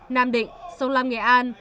nam định sông lam nghệ an